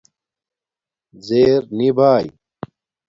زیر نی بای